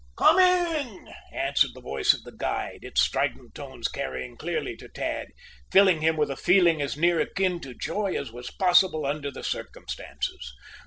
"Coming!" answered the voice of the guide, its strident tones carrying clearly to Tad, filling him with a feeling as near akin to joy as was possible under the circumstances.